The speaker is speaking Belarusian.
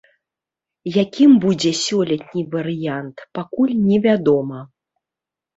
Якім будзе сёлетні варыянт, пакуль невядома.